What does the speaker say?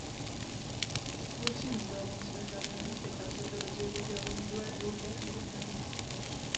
بۆچی منداڵان جلەکانیان لەسەر عەرزەکە بەجێدەهێڵن، دوای ئەوەی دایاندەکەنن؟